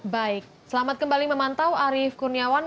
baik selamat kembali memantau arief kurniawan